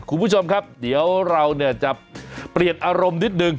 คุณผู้ชมครับเดี๋ยวเราจะเปลี่ยนอารมณ์นิดนึง